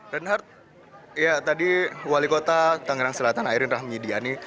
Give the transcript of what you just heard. renhard ya tadi wali kota tangerang selatan ayrin rahmi diani